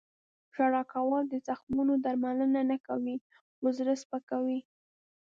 • ژړا کول د زخمونو درملنه نه کوي، خو زړه سپکوي.